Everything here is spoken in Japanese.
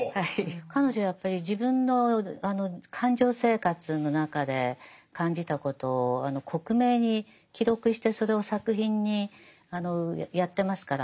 彼女やっぱり自分の感情生活の中で感じたことを克明に記録してそれを作品にやってますから。